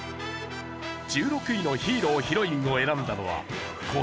１６位のヒーロー＆ヒロインを選んだのはこの方。